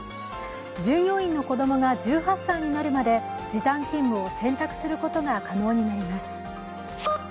従業員の子供が１８歳になるまで時短勤務を選択することが可能になります。